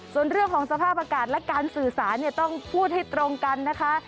ส่วนเรื่องของสภาพอากาศและการสื่อสารเนี่ยต้องพูดให้ตรงกันนะคะ